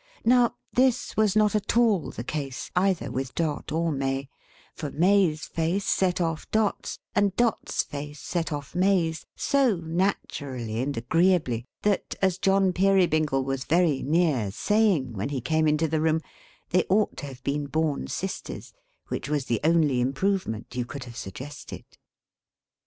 Now, this was not at all the case, either with Dot or May; for May's face set off Dot's, and Dot's face set off May's, so naturally and agreeably, that, as John Peerybingle was very near saying when he came into the room, they ought to have been born sisters: which was the only improvement you could have suggested.